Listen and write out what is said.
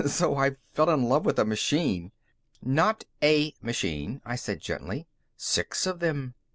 "So I fell in love with a machine." "Not a machine," I said gently. "Six of them.